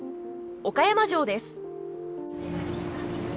岡山城です。